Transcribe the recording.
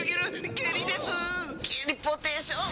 ゲリポーテーション。